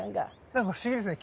なんか不思議ですね。